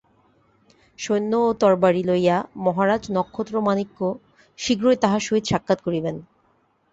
সৈন্য ও তরবারি লইয়া মহারাজ নক্ষত্রমাণিক্য শীঘ্রই তাঁহার সহিত সাক্ষাৎ করিবেন।